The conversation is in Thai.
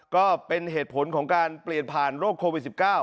ก็เป็นเหตุผลของการเปลี่ยนผ่านโรคโควิด๑๙